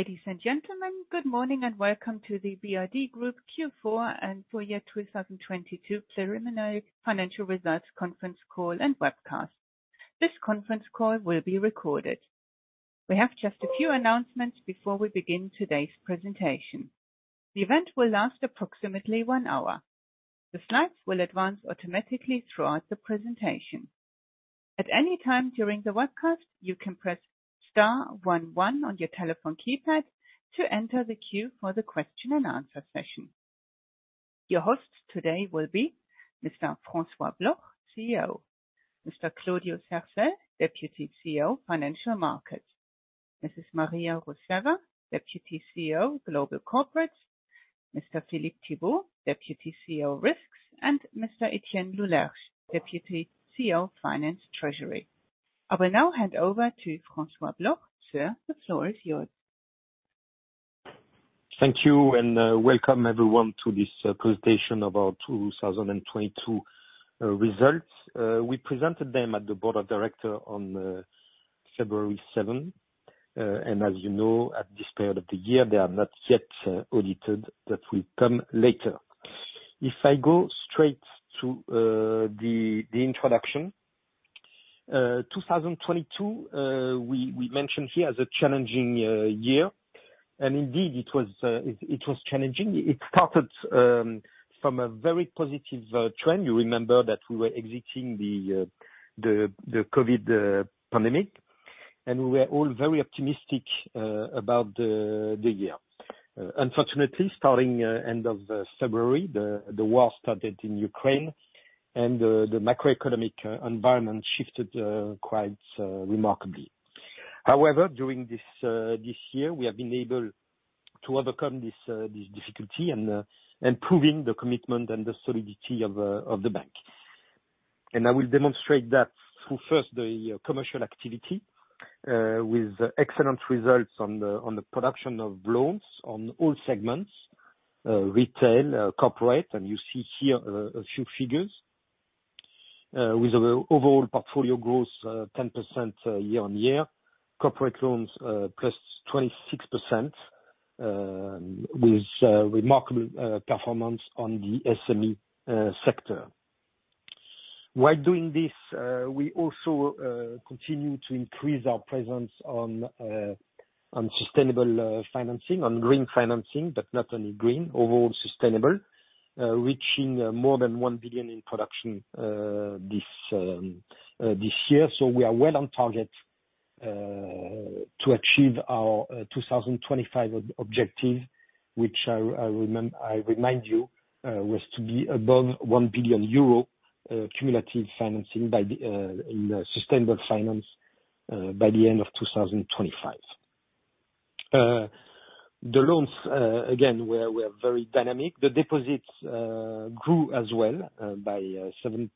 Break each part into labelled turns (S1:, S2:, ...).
S1: Ladies and gentlemen, good morning and welcome to the BRD Group Fourth Quarter and Full Year 2022 Preliminary Financial Results Conference Call and Webcast. This conference call will be recorded. We have just a few announcements before we begin today's presentation. The event will last approximately one hour. The slides will advance automatically throughout the presentation. At any time during the webcast, you can press star one, one on your telephone keypad to enter the queue for the question-and-answer session. Your host today will be Mr. François Bloch, CEO, Mr. Claudiu Cercel, Deputy CEO, Financial Markets, Mrs. Maria Rousseva, Deputy CEO, Global Corporates, Mr. Philippe Thibaud, Deputy CEO, Risks, and Mr. Etienne Loulergue, Deputy CEO, Finance & Treasury. I will now hand over to François Bloch. Sir, the floor is yours.
S2: Thank you, welcome everyone to this presentation of our 2022 results. We presented them at the board of director on 7 February 2023, as you know, at this period of the year, they are not yet audited. That will come later. If I go straight to the introduction, 2022, we mentioned here as a challenging year, and indeed, it was challenging. It started from a very positive trend. You remember that we were exiting the COVID pandemic, and we were all very optimistic about the year. Unfortunately, starting end of February, the war started in Ukraine and the macroeconomic environment shifted quite remarkably. However, during this year, we have been able to overcome this difficulty and, improving the commitment and the solidity of the bank. I will demonstrate that through first the commercial activity, with excellent results on the production of loans on all segments, retail, corporate, and you see here, a few figures, with the overall portfolio growth, 10% year-on-year. Corporate loans, positive 26%, with, remarkable, performance on the SME sector. While doing this, we also, continue to increase our presence on sustainable financing, on green financing, but not only green, overall sustainable, reaching more than RON 1 billion in production, this year. We are well on target to achieve our 2025 objective, which I remind you, was to be above 1 billion euro cumulative financing in the sustainable finance by the end of 2025. The loans again were very dynamic. The deposits grew as well by 7.5%.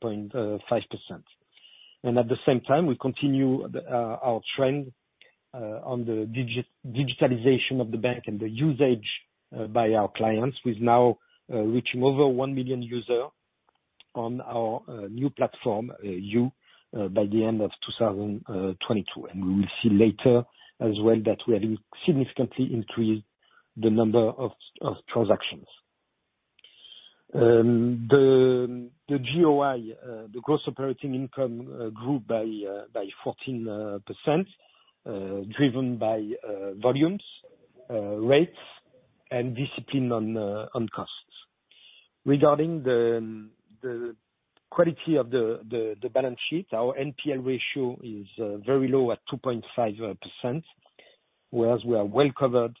S2: At the same time, we continue our trend on the digitalization of the bank and the usage by our clients with now reaching over 1 million user on our new platform YOU by the end of 2022. We will see later as well that we have significantly increased the number of transactions. The GOI, the gross operating income, grew by 14% driven by volumes, rates, and discipline on costs. Regarding the quality of the balance sheet, our NPL ratio is very low at 2.5%, whereas we are well covered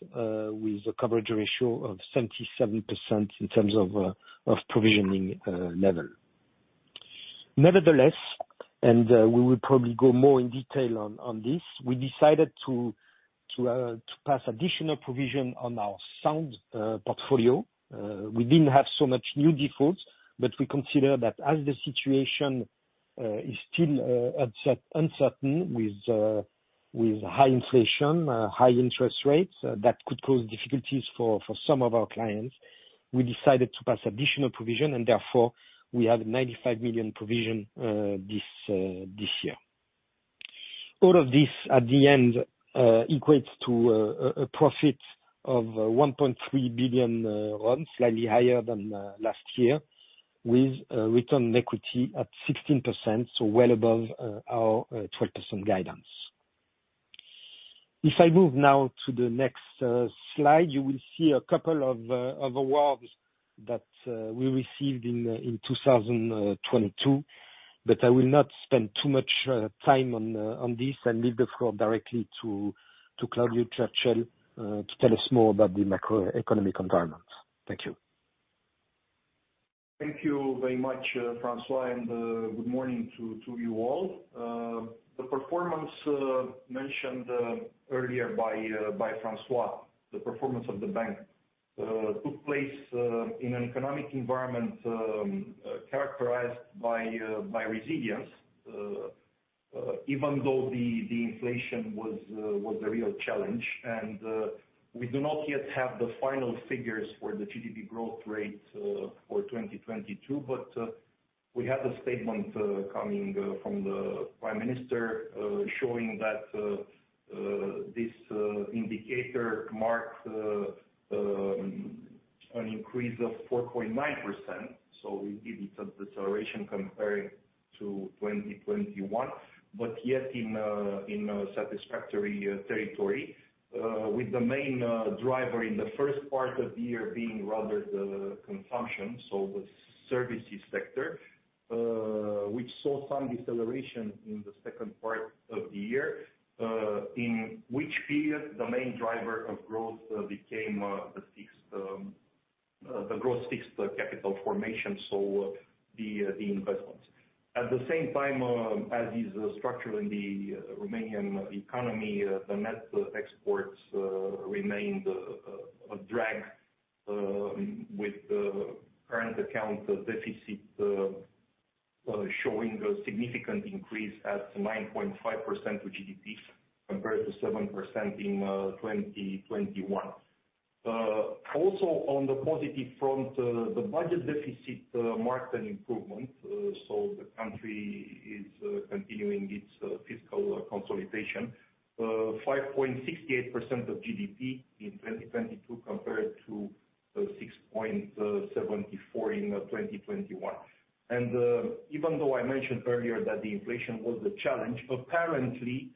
S2: with a coverage ratio of 77% in terms of provisioning level. Nevertheless, we will probably go more in detail on this, we decided to pass additional provision on our sound portfolio. We didn't have so much new defaults, but we consider that as the situation is still uncertain with high inflation, high interest rates, that could cause difficulties for some of our clients. We decided to pass additional provision and therefore we have RON 95 million provision this year. All of this at the end equates to a profit of RON 1.3 billion, slightly higher than last year, with return on equity at 16%, so well above our 12% guidance. If I move now to the next slide, you will see a couple of awards that we received in 2022, but I will not spend too much time on this and leave the floor directly to Claudiu Cercel to tell us more about the macroeconomic environment. Thank you.
S3: Thank you very much, François, and good morning to you all. The performance mentioned earlier by François, the performance of the bank took place in an economic environment characterized by resilience, even though the inflation was a real challenge. We do not yet have the final figures for the GDP growth rate for 2022. But we have the statement coming from the prime minister showing that this indicator marks an increase of 4.9%. Indeed, it's a deceleration comparing to 2021. Yet in satisfactory territory, with the main driver in the first part of the year being rather the consumption, so the services sector, which saw some deceleration in the second part of the year, in which period the main driver of growth became the gross fixed capital formation, so the investments. At the same time, as is structural in the Romanian economy, the net exports remained a drag, with current account deficit showing a significant increase at 9.5% to GDP compared to 7% in 2021. Also on the positive front, the budget deficit marked an improvement, the country is continuing its fiscal consolidation. 5.68% of GDP in 2022 compared to 6.74% in 2021. Even though I mentioned earlier that the inflation was a challenge, apparently,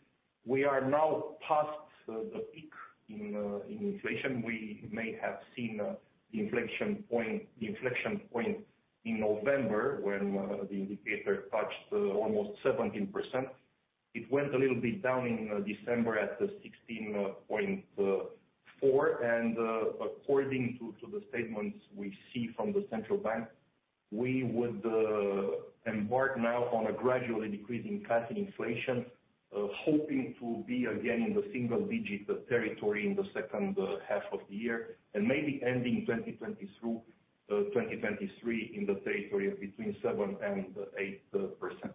S3: we are now past the peak in inflation. We may have seen the inflection point in November when the indicator touched almost 17%. It went a little bit down in December at 16.4%. According to the statements we see from the central bank, we would embark now on a gradually decreasing path in inflation, hoping to be again in the single digit territory in the second half of the year and maybe ending 2022, 2023 in the territory of between 7% and 8%.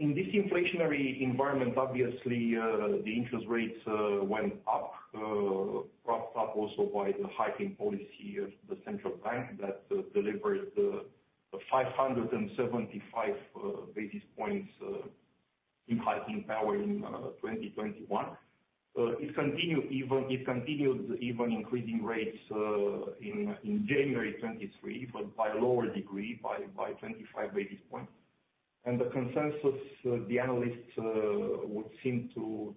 S3: In this inflationary environment, obviously, the interest rates went up, propped up also by the hiking policy of the central bank that delivered 575-basis points in hiking power in 2021. It continued even increasing rates in January 2023, but by a lower degree, by 25-basis points. The consensus, the analysts, would seem to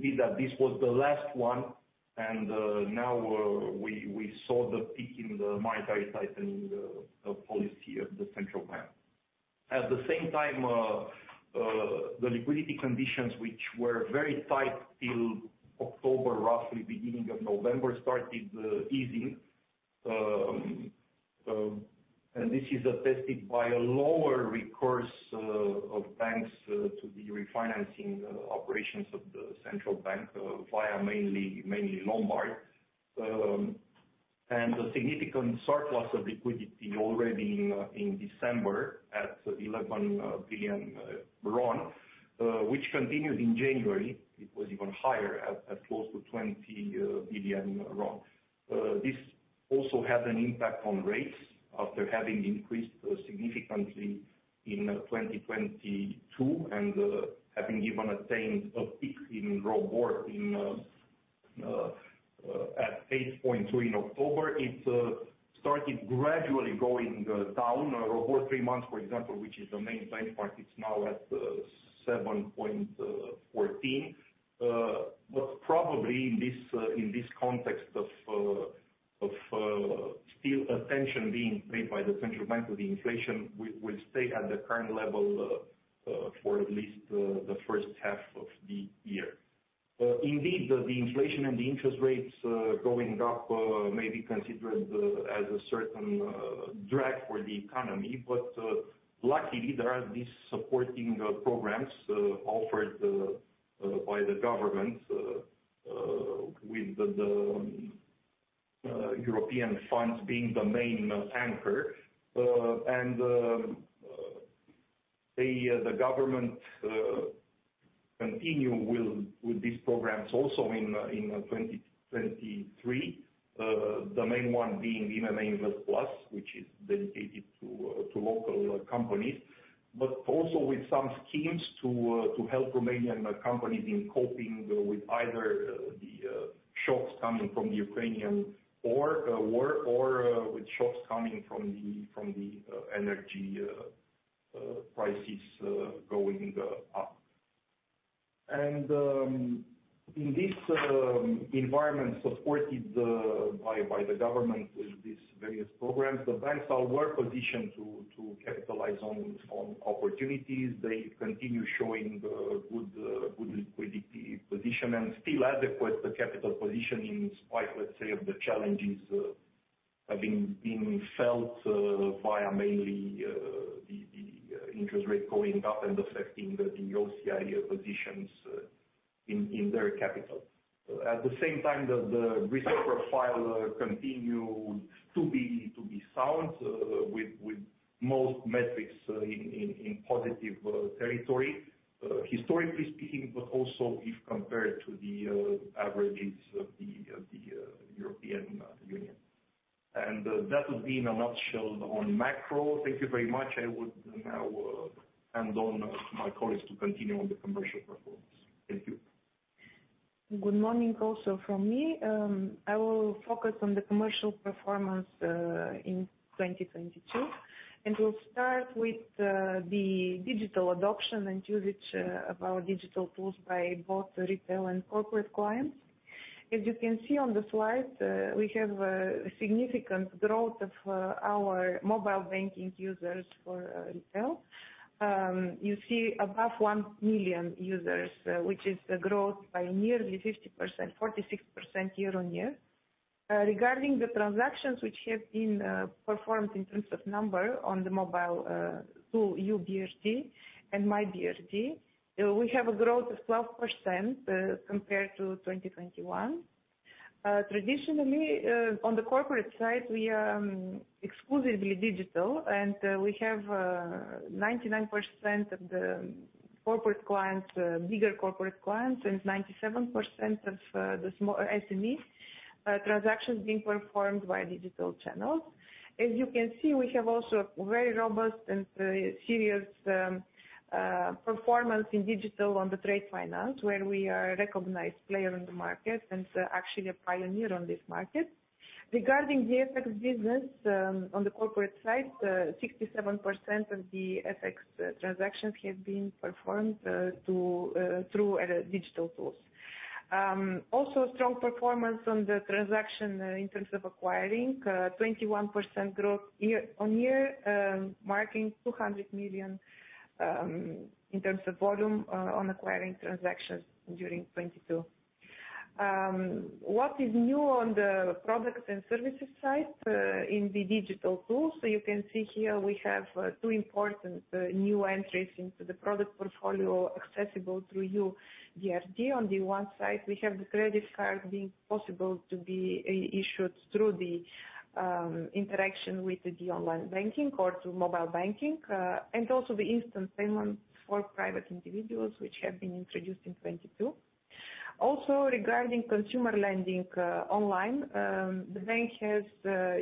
S3: be that this was the last one and now, we saw the peak in the monetary tightening policy of the central bank. At the same time, the liquidity conditions, which were very tight till October, roughly beginning of November, started easing. This is attested by a lower recourse of banks to the refinancing operations of the central bank via mainly Lombard. The significant surplus of liquidity already in December at RON 11 billion, which continued in January. It was even higher at close to RON 20 billion. This also had an impact on rates after having increased significantly in 2022 and having even attained a peak in ROBOR at 8.2% in October. It started gradually going down. ROBOR three months, for example, which is the main benchmark, it's now at 7.14%. Probably in this context of still attention being paid by the central bank of the inflation, we will stay at the current level for at least the first half of the year. Indeed, the inflation and the interest rates going up may be considered as a certain drag for the economy. Luckily there are these supporting programs offered by the government with the European funds being the main anchor. The government continue will with these programs also in 2023, the main one being IMM Invest, which is dedicated to local companies. Also, with some schemes to help Romanian companies in coping with either the shocks coming from the Ukrainian war or with shocks coming from the energy prices going up. In this environment supported by the government with these various programs, the banks are well positioned to capitalize on opportunities. They continue showing, good liquidity position and still adequate, the capital position in spite, let's say, of the challenges, having, being felt, via mainly, the interest rate going up and affecting the AOCI positions, in their capital. At the same time, the risk profile, continue to be sound, with most metrics, in positive, territory, historically speaking, but also if compared to the averages of the European Union. That would be in a nutshell on macro. Thank you very much. I would now hand on to my colleagues to continue on the commercial performance. Thank you.
S4: Good morning also from me. I will focus on the commercial performance in 2022. We'll start with the digital adoption and usage of our digital tools by both retail and corporate clients. As you can see on the slide, we have significant growth of our mobile banking users for retail. You see above 1 million users, which is a growth by nearly 50%, 46% year-on-year. Regarding the transactions which have been performed in terms of number on the mobile, through YOU BRD and MyBRD, we have a growth of 12% compared to 2021. Traditionally, on the corporate side, we are exclusively digital, and we have 99% of the corporate clients, bigger corporate clients, and 97% of the smaller SMEs, transactions being performed via digital channels. As you can see, we have also very robust and serious performance in digital on the trade finance, where we are a recognized player in the market and actually, a pioneer on this market. Regarding the FX business, on the corporate side, 67% of the FX transactions have been performed through digital tools. Also, strong performance on the transaction, in terms of acquiring, 21% growth year-on-year, marking RON 200 million in terms of volume on acquiring transactions during 2022. What is new on the products and services side in the digital tools? You can see here we have two important new entries into the product portfolio accessible through YOU BRD. On the one side, we have the credit card being possible to be issued through the interaction with the online banking or through mobile banking. Also, the instant payments for private individuals, which have been introduced in 2022. Also, regarding consumer lending online, the bank has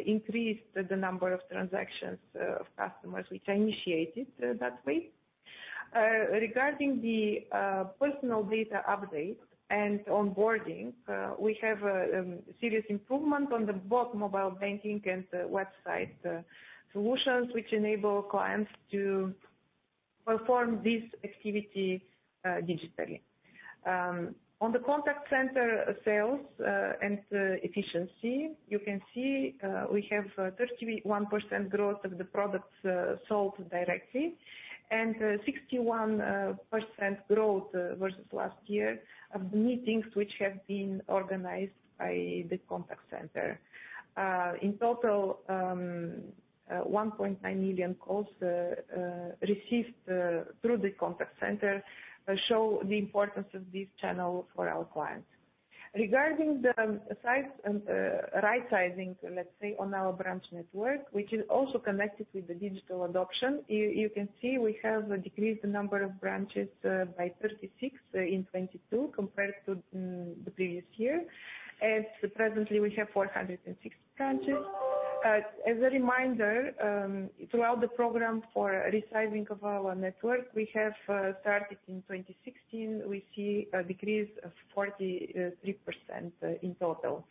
S4: increased the number of transactions of customers which are initiated that way. Regarding the personal data update and onboarding, we have a serious improvement on the both mobile banking and the website solutions which enable clients to perform this activity digitally. On the contact center sales and efficiency, you can see we have 31% growth of the products sold directly and 61% growth versus last year of the meetings which have been organized by the contact center. In total, 1.9 million calls received through the contact center show the importance of this channel for our clients. Regarding the size and right sizing, let's say, on our branch network, which is also connected with the digital adoption, you can see we have decreased the number of branches by 36% in 2022 compared to the previous year. And presently, we have 460 branches. As a reminder, throughout the program for resizing of our network, we have started in 2016. We see a decrease of 43% in total.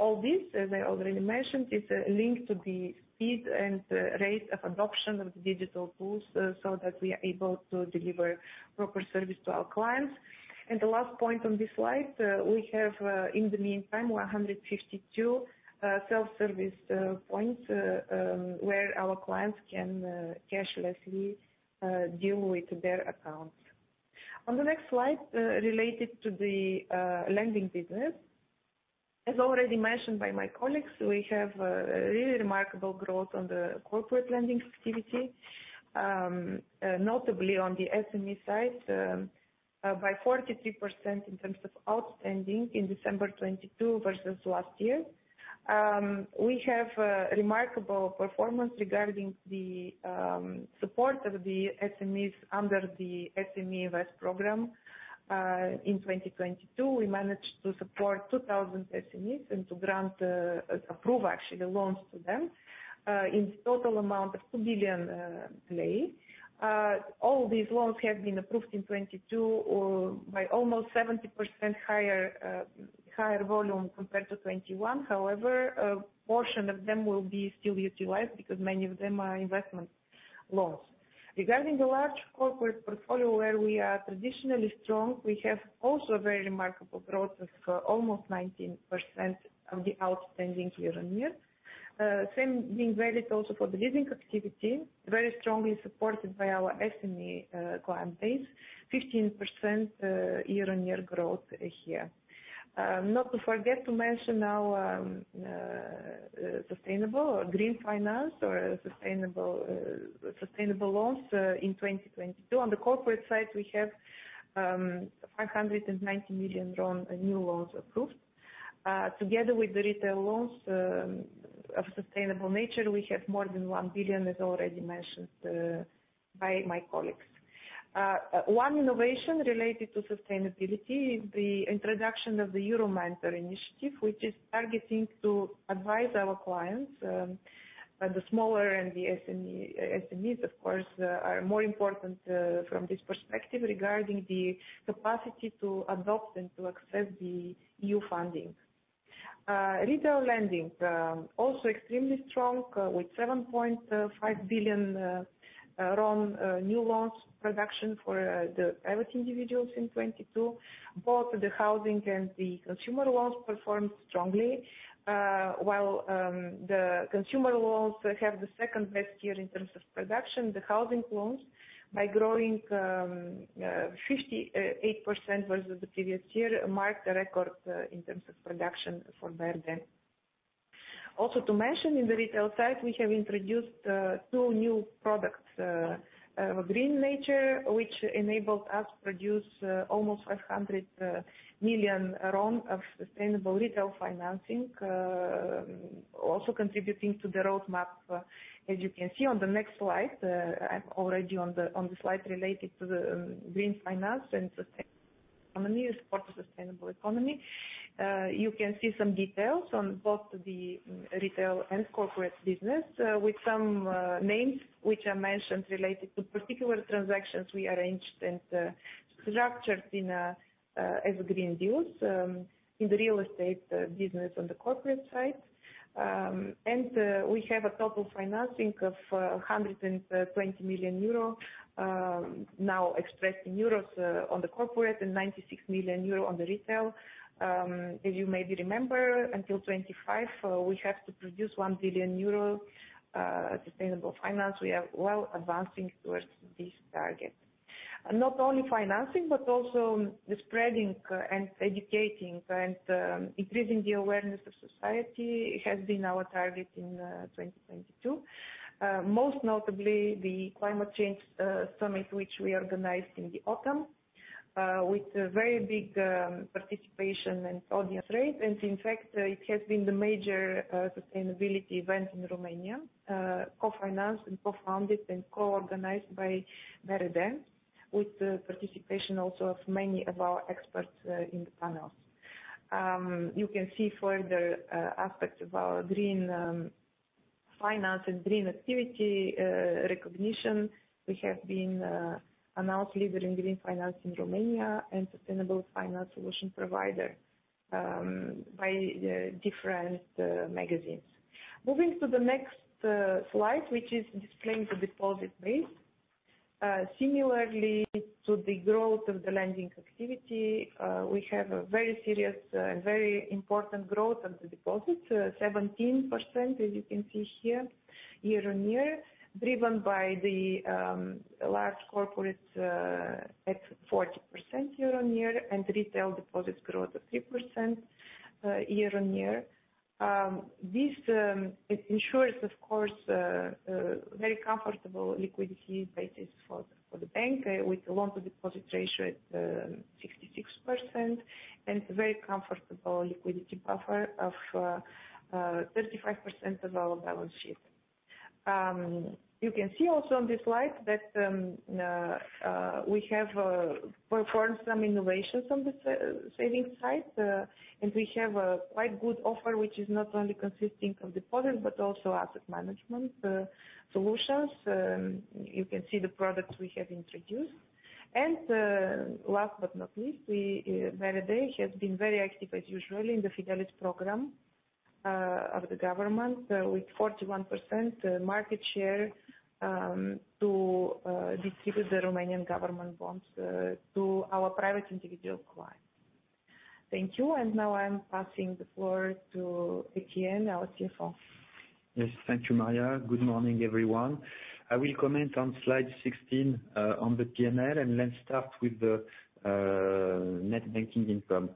S4: All this, as I already mentioned, is linked to the speed and rate of adoption of the digital tools so that we are able to deliver proper service to our clients. The last point on this slide, we have in the meantime, 152 self-service points where our clients can cashless deal with their accounts. On the next slide, related to the lending business. As already mentioned by my colleagues, we have a really remarkable growth on the corporate lending activity, notably on the SME side, by 43% in terms of outstanding in 22 December 2022 versus last year. We have remarkable performance regarding the support of the SMEs under the IMM Invest program in 2022. We managed to support 2,000 SMEs and to grant, approve, actually, loans to them in total amount of 2 billion lei. All these loans have been approved in 2022 or by almost 70% higher volume compared to 2021. However, a portion of them will be still utilized because many of them are investment loans. Regarding the large corporate portfolio, where we are traditionally strong, we have also a very remarkable growth of almost 19% of the outstanding year-on-year. Same being valid also for the leasing activity, very strongly supported by our SME client base. 15% year-on-year growth here. Not to forget to mention our sustainable or green finance or sustainable loans in 2022. On the corporate side, we have RON 590 million new loans approved. Together with the retail loans of sustainable nature, we have more than RON 1 billion, as already mentioned by my colleagues. One innovation related to sustainability is the introduction of the Euromentor Initiative, which is targeting to advise our clients, but the smaller and the SMEs of course are more important from this perspective regarding the capacity to adopt and to access the EU funding. Retail lending also extremely strong with RON 7.5 billion new loans production for the private individuals in 2022. Both the housing and the consumer loans performed strongly, while the consumer loans have the second-best year in terms of production. The housing loans by growing 58% versus the previous year marked a record in terms of production for BRD. Also to mention in the retail side, we have introduced two new products of a green nature, which enabled us to produce almost RON 500 million of sustainable retail financing. Contributing to the roadmap, as you can see on the next slide. I'm already on the slide related to the green finance and support the sustainable economy. You can see some details on both the retail and corporate business, with some names which are mentioned related to particular transactions we arranged and structured as green deals in the real estate business on the corporate side. We have a total financing of 120 million euro now expressed in euros on the corporate and 96 million euro on the retail. As you maybe remember, until 2025, we have to produce 1 billion euro sustainable finance. We are well advancing towards this target. Not only financing but also the spreading and educating and increasing the awareness of society has been our target in 2022. Most notably the Climate Change Summit, which we organized in the autumn, with a very big participation and audience rate. In fact, it has been the major sustainability event in Romania, co-financed and co-founded and co-organized by BRD, with the participation also of many of our experts in the panels. You can see further aspects of our green finance and green activity recognition. We have been announced leader in green finance in Romania and sustainable finance solution provider, by different magazines. Moving to the next slide, which is displaying the deposit base. Similarly to the growth of the lending activity, we have a very serious, very important growth of the deposits, 17%, as you can see here, year-on-year, driven by the large corporate, at 40% year-on-year and retail deposits growth of 3%, year-on-year. This, it ensures, of course, very comfortable liquidity basis for the bank, with the loan to deposit ratio at 66% and very comfortable liquidity buffer of 35% of our balance sheet. You can see also on this slide that we have performed some innovations on the savings side. We have a quite good offer, which is not only consisting of deposits but also asset management solutions. You can see the products we have introduced. And, uh, last but not least, we, uh, BRD has been very active, as usually, in the Fidelis program, uh, of the government, uh, with forty-one percent, uh, market share, um, to, uh, distribute the Romanian government bonds, uh, to our private individual clients. Thank you. And now I'm passing the floor to Etienne, our CFO.
S5: Yes, thank you, Maria. Good morning, everyone. I will comment on slide 16 on the P&L, let's start with the net banking income.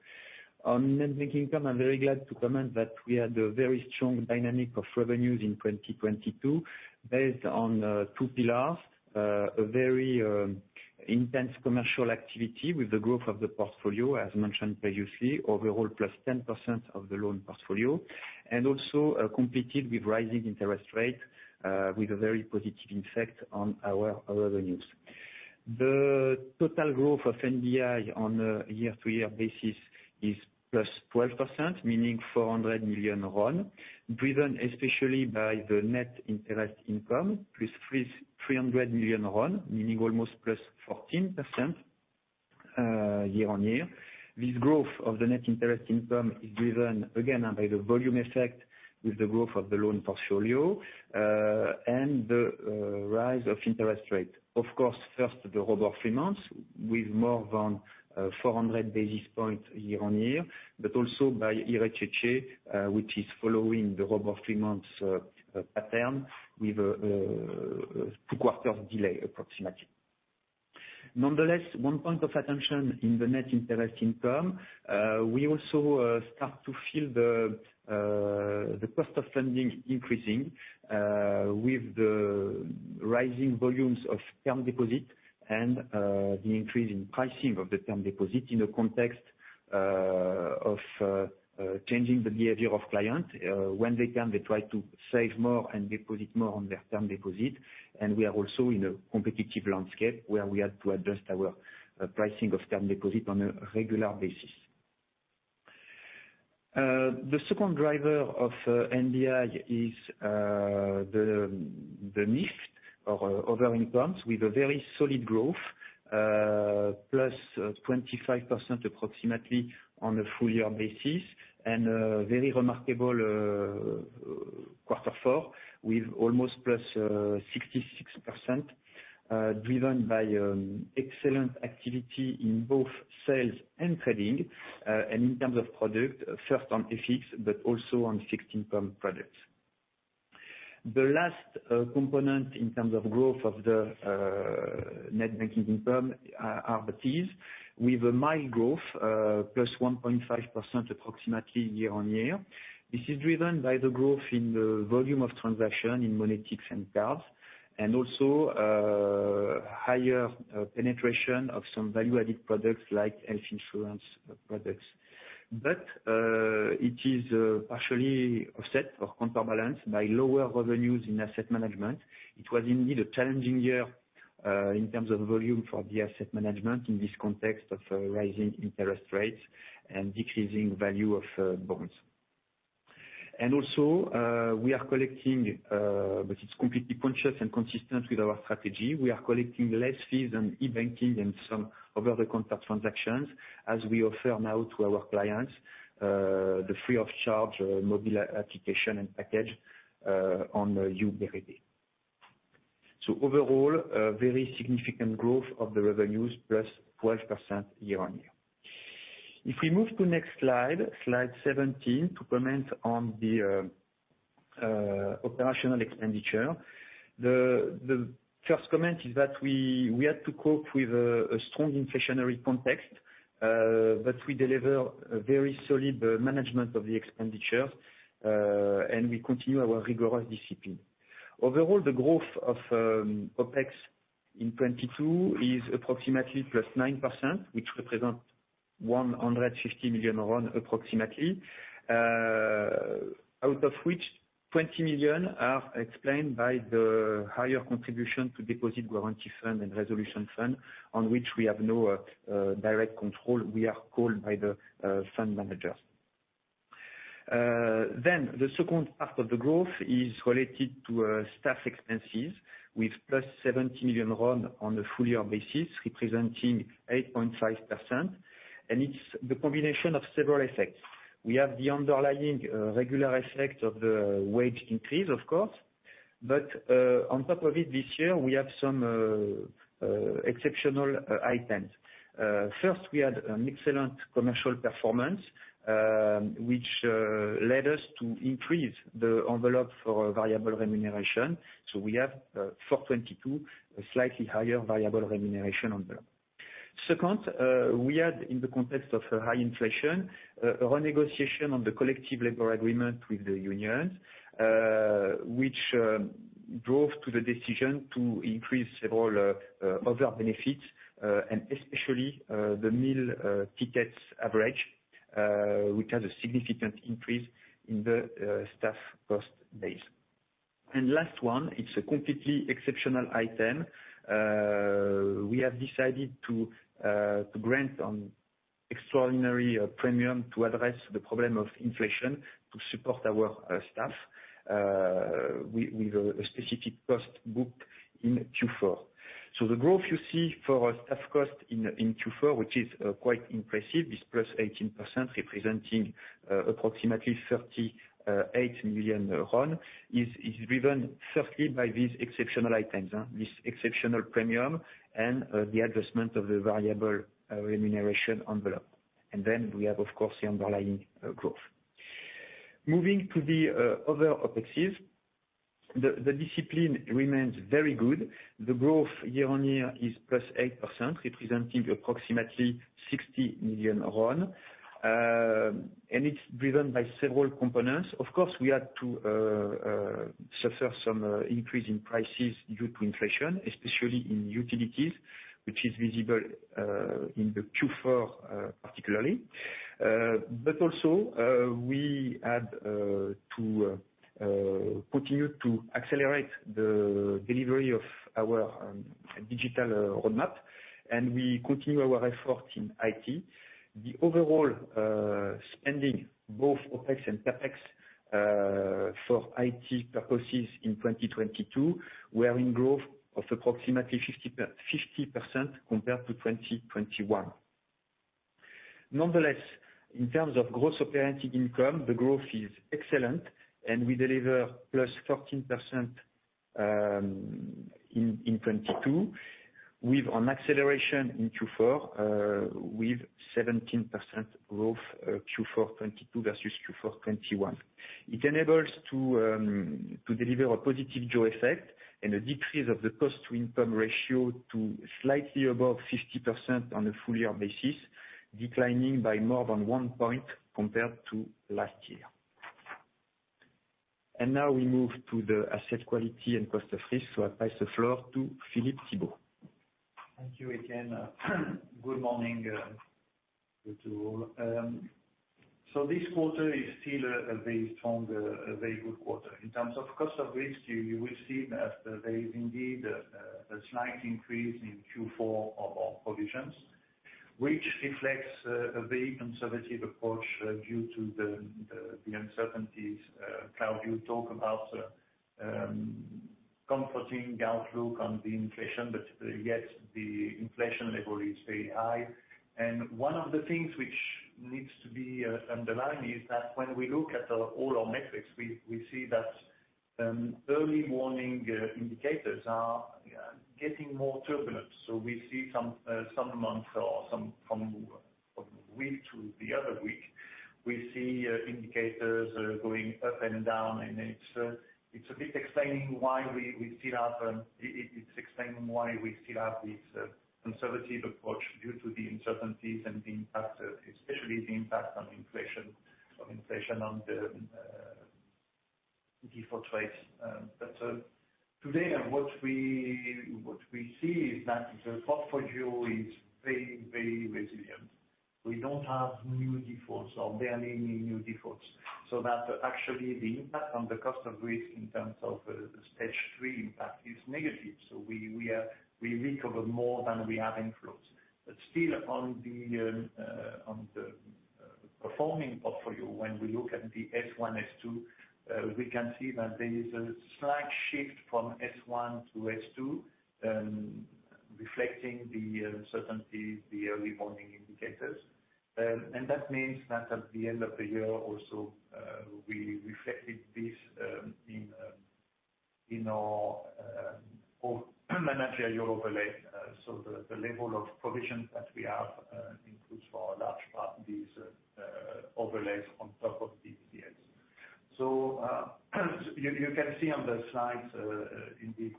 S5: On net banking income, I'm very glad to comment that we had a very strong dynamic of revenues in 2022, based on two pillars. A very intense commercial activity with the growth of the portfolio, as mentioned previously, plus 10% of the loan portfolio. Also, completed with rising interest rate, with a very positive effect on our revenues. The total growth of NBI on a year-over-year basis plus 12%, meaning RON 400 million, driven especially by the net interest income, plus RON 300 million, meaning plus 14% year-on-year. This growth of the net interest income is driven, again, by the volume effect with the growth of the loan portfolio, and the rise of interest rate. Of course, first the ROBOR three months with more than 400-basis points year-on-year, but also by IRCC, which is following the ROBOR three months pattern with a two quarters delay approximately. Nonetheless, one point of attention in the net interest income, we also start to feel the cost of funding increasing, with the rising volumes of term deposit and the increase in pricing of the term deposit in the context of changing the behavior of client, when they can, they try to save more and deposit more on their term deposit. We are also in a competitive landscape where we had to adjust our pricing of term deposit on a regular basis. The second driver of NBI is the mix or other incomes with a very solid growth, positive 25% approximately on a full-year basis, and very remarkable quarter four with almost positive 66%, driven by excellent activity in both sales and trading and in terms of product, first on FX, but also on fixed income products. The last component in terms of growth of the net banking income are fees with a mild plus 1.5% approximately year-on-year. This is driven by the growth in the volume of transaction in Monétique Center, and also higher penetration of some value-added products like health insurance products. It is partially offset or counterbalance by lower revenues in asset management. It was indeed a challenging year in terms of volume for the asset management in this context of rising interest rates and decreasing value of bonds. We are collecting, but it's completely conscious and consistent with our strategy. We are collecting less fees on e-banking than some of other contact transactions as we offer now to our clients the free of charge mobile application and package on U-Ready. Overall, a very significant growth of the revenues plus 12% year-on-year. We move to next slide 17, to comment on the operational expenditure. The first comment is that we had to cope with a strong inflationary context, but we deliver a very solid management of the expenditure, and we continue our rigorous discipline. Overall, the growth of OpEx in 2022 is approximately positive 9%, which represent RON 150 million approximately, out of which RON 20 million are explained by the higher contribution to deposit guarantee fund and resolution fund on which we have no direct control. We are called by the fund managers. The second part of the growth is related to staff expenses with plus RON 70 million on a full-year basis, representing 8.5%. It's the combination of several effects. We have the underlying regular effect of the wage increase, of course. On top of it this year, we have some exceptional items. First, we had an excellent commercial performance, which led us to increase the envelope for variable remuneration. We have for 2022 a slightly higher variable remuneration envelope. Second, we had in the context of high inflation a negotiation on the collective labor agreement with the unions, which drove to the decision to increase several other benefits, and especially the meal tickets average, which has a significant increase in the staff cost base. Last one, it's a completely exceptional item. We have decided to grant an extraordinary premium to address the problem of inflation to support our staff with a specific cost booked in fourth quarter. The growth you see for our staff cost in fourth quarter, which is quite impressive, plus 18%, representing approximately RON 38 million, is driven firstly by these exceptional items, this exceptional premium and the adjustment of the variable remuneration envelope. We have, of course, the underlying growth. Moving to the other OpExes, the discipline remains very good. The growth year-on-year is positive 8%, representing approximately RON 60 million, and it's driven by several components. Of course, we had to suffer some increase in prices due to inflation, especially in utilities, which is visible in the fourth quarter particularly. Also, we had to continue to accelerate the delivery of our digital roadmap, and we continue our effort in IT. The overall spending both OpEx and CapEx for IT purposes in 2022 were in growth of approximately 50% compared to 2021. Nonetheless, in terms of gross operating income, the growth is excellent, and we plus 14% in 2022 with an acceleration in fourth quarter with 17% growth fourth quarter 2022 versus fourth quarter 2021. It enables to deliver a positive jaws effect and a decrease of the cost to income ratio to slightly above 50% on a full-year basis, declining by more than one point compared to last year. Now we move to the asset quality and cost of risk. I pass the floor to Philippe Thibaud.
S6: Thank you again. Good morning to you all. This quarter is still a very strong, a very good quarter. In terms of cost of risk, you will see that there is indeed a slight increase in fourth quarter of our provisions, which reflects a very conservative approach due to the uncertainties. Claude, you talk about comforting outlook on the inflation, yet the inflation level is very high. One of the things which needs to be underlined is that when we look at all our metrics, we see that early warning indicators are getting more turbulent. We see some months or some from week to the other week, we see indicators going up and down, and it's a bit explaining why we still have. It's explaining why we still have this conservative approach due to the uncertainties and the impact, especially the impact on inflation, on the default rates. Today, what we see is that the portfolio is very, very resilient. We don't have new defaults or barely any new defaults, so that actually the impact on the cost of risk in terms of the stage three impact is negative. We recover more than we have inflows. Still on the performing portfolio, when we look at the S1, S2, we can see that there is a slight shift from S1 to S2, reflecting the uncertainty, the early warning indicators. That means that at the end of the year also, we reflected this in our management overlay. The level of provisions that we have includes for a large part these overlays on top of DGS. You can see on the slides, indeed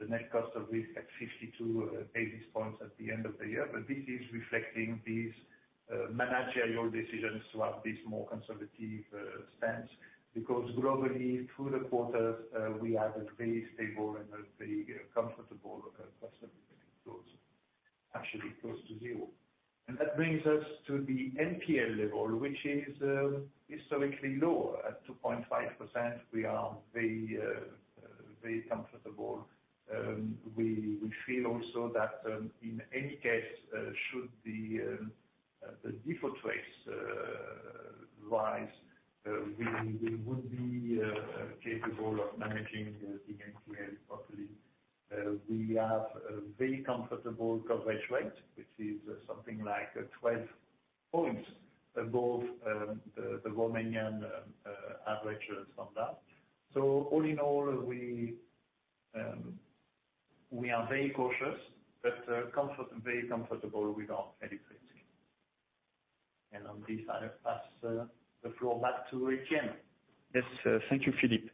S6: the net cost of risk at 52-basis points at the end of the year, but this is reflecting these managerial decisions to have this more conservative stance. Globally, through the quarter, we had a very stable and a very comfortable cost of risk, actually close to zero. That brings us to the NPL level, which is historically low at 2.5%. We are very, very comfortable. We feel also that, in any case, should the default rates rise, we would be capable of managing the NPL properly. We have a very comfortable coverage rate, which is something like 12 points above the Romanian average standard. All in all, we are very cautious, but very comfortable with our credit risk. On this, I'll pass the floor back to Etienne.
S5: Yes. Thank you, Philippe.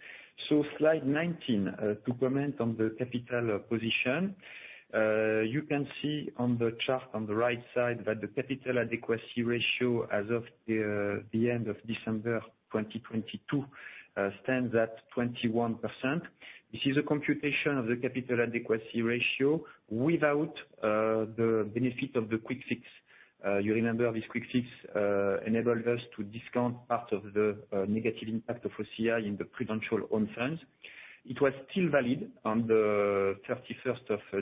S5: Slide 19, to comment on the capital position. You can see on the chart on the right side that the capital adequacy ratio as of the end of December 2022, stands at 21%. This is a computation of the capital adequacy ratio without the benefit of the Quick Fix. You remember this Quick Fix enabled us to discount part of the negative impact of OCI in the Prudential Own Funds. It was still valid on the 31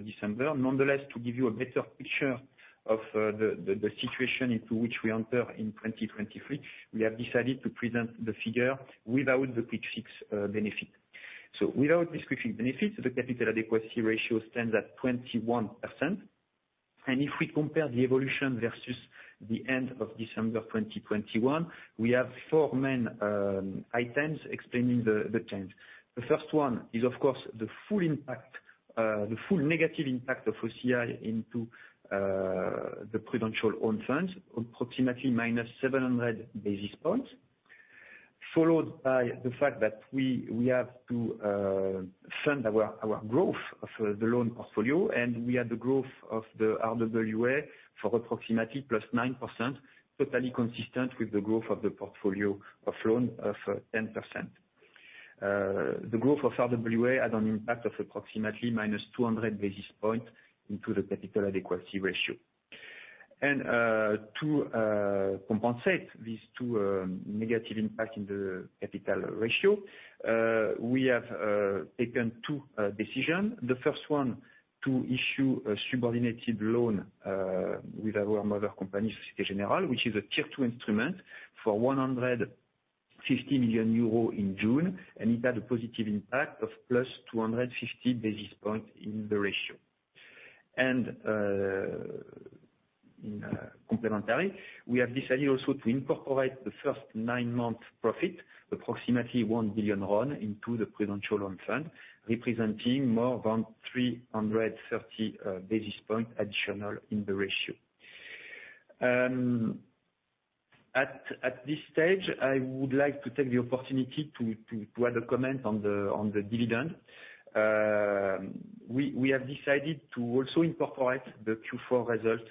S5: December 2022. Nonetheless, to give you a better picture of the situation into which we enter in 2023, we have decided to present the figure without the Quick Fix benefit. Without this Quick Fix benefit, the capital adequacy ratio stands at 21%. If we compare the evolution versus the end of December 2021, we have four main items explaining the change. The first one is, of course, the full impact, the full negative impact of OCI into the Prudential Own Funds, approximately minus 700-basis points. Followed by the fact that we have to fund our growth of the loan portfolio, and we had the growth of the RWA for approximately positive 9%, totally consistent with the growth of the portfolio of loan of 10%. The growth of RWA had an impact of approximately minus 200-basis point into the capital adequacy ratio. To compensate these two negative impact in the capital ratio, we have taken two decision. The first one to issue a subordinated loan with our mother company, Société Générale, which is a tier II instrument, for 150 million euros in June, it had a positive impact of positive 250-basis points in the ratio. In complementary, we have decided also to incorporate the first nine-month profit, approximately RON 1 billion, into the Prudential Own Funds, representing more than 330-basis points additional in the ratio. At this stage, I would like to take the opportunity to add a comment on the dividend. We have decided to also incorporate the fourth quarter result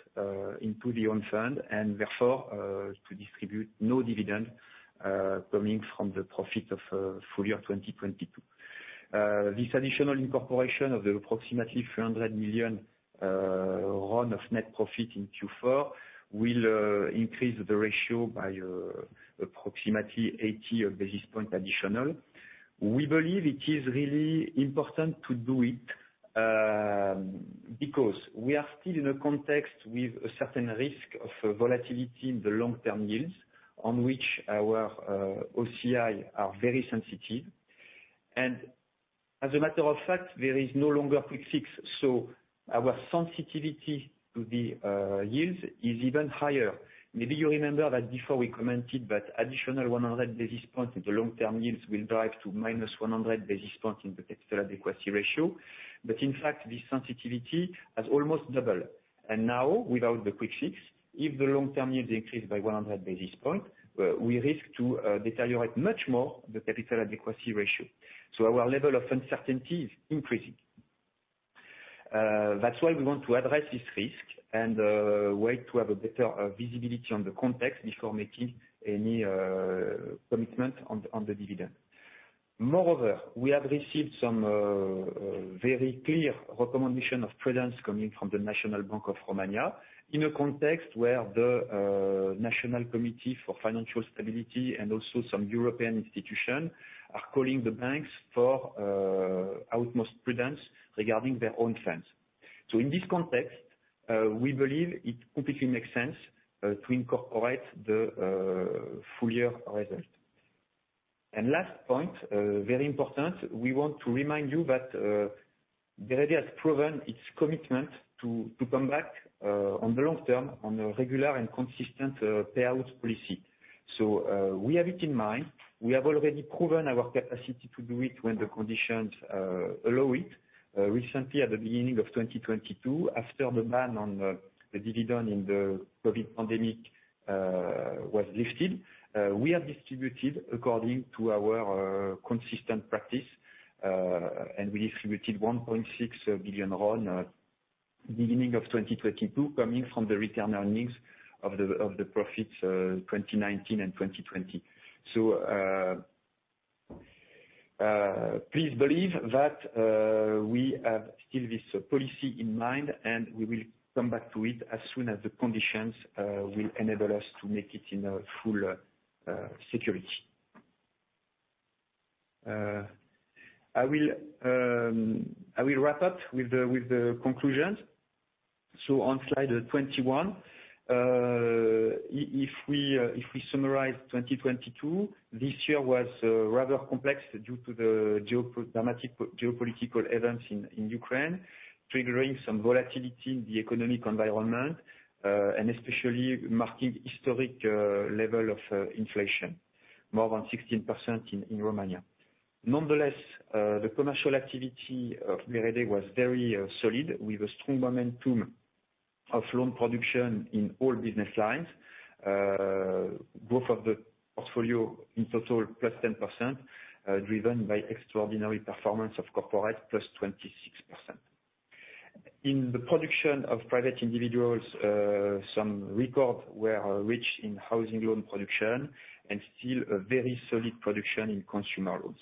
S5: into the own fund, therefore, to distribute no dividend coming from the profit of full year 2022. This additional incorporation of the approximately RON 300 million of net profit in fourth quarter will increase the ratio by approximately 80-basis points additional. We believe it is really important to do it because we are still in a context with a certain risk of volatility in the long-term yields on which our OCI are very sensitive. As a matter of fact, there is no longer a CRR Quick Fix, so our sensitivity to the yields is even higher. Maybe you remember that before we commented that additional 100-basis points in the long-term yields will drive to minus 100-basis points in the capital adequacy ratio. In fact, this sensitivity has almost doubled. Without the quick fix, if the long-term yields increased by 100-basis point, we risk to deteriorate much more the capital adequacy ratio. Our level of uncertainty is increasing. That's why we want to address this risk and wait to have a better visibility on the context before making any commitment on the dividend. Moreover, we have received some very clear recommendation of prudence coming from the National Bank of Romania in a context where the National Committee for Financial Stability, and also some European institutions, are calling the banks for utmost prudence regarding their own funds. In this context, we believe it completely makes sense to incorporate the full year result. Last point, very important, we want to remind you that BRD has proven its commitment to come back on the long term on a regular and consistent payout policy. We have it in mind. We have already proven our capacity to do it when the conditions allow it. Recently, at the beginning of 2022, after the ban on the dividend in the COVID pandemic was lifted, we have distributed according to our consistent practice, and we distributed RON 1.6 billion beginning of 2022, coming from the return earnings of the profits 2019 and 2020. Please believe that we have still this policy in mind. We will come back to it as soon as the conditions will enable us to make it in a full security. I will wrap up with the conclusions. On slide 21, if we summarize 2022, this year was rather complex due to the geopolitical events in Ukraine, triggering some volatility in the economic environment, especially marking historic level of inflation, more than 16% in Romania. Nonetheless, the commercial activity of BRD was very solid with a strong momentum of loan production in all business lines. Growth of the portfolio in plus 10%, driven by extraordinary performance of corporate positive 26%. In the production of private individuals, some records were reached in housing loan production, and still a very solid production in consumer loans.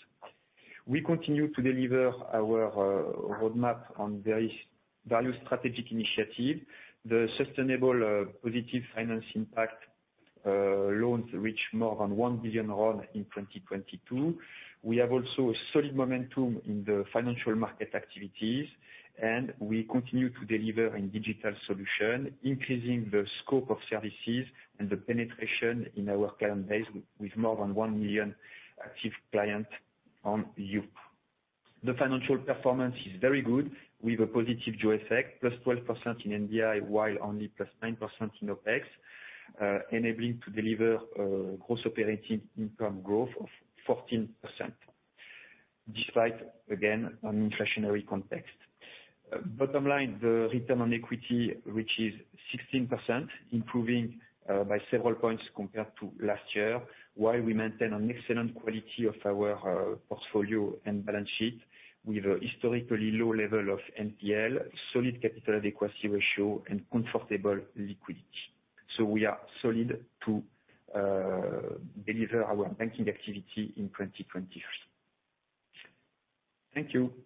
S5: We continue to deliver our roadmap on various value strategic initiative. The sustainable positive finance impact loans reach more than RON 1 billion in 2022. We have also a solid momentum in the financial market activities, and we continue to deliver in digital solution, increasing the scope of services and the penetration in our current base with more than 1 million active client on YOU. The financial performance is very good with a positive jaws plus 12% in NDI, while only plus 9% in OpEx, enabling to deliver gross operating income growth of 14%, despite, again, an inflationary context. Bottom line, the return on equity reaches 16%, improving by several points compared to last year, while we maintain an excellent quality of our portfolio and balance sheet with a historically low level of NPL, solid capital adequacy ratio, and comfortable liquidity. We are solid to deliver our banking activity in 2023. Thank you.